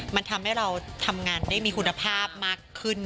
มันทำให้เราทำงานได้มีคุณภาพมากขึ้น